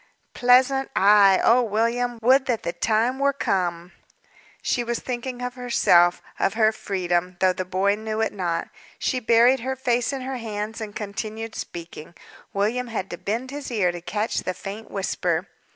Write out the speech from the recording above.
"Pleasant? Ay! Oh, William! Would that the time were come!" She was thinking of herself of her freedom though the boy knew it not. She buried her face in her hands and continued speaking; William had to bend his ear to catch the faint whisper.